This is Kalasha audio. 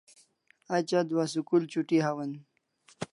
Aj adua school chuti hawan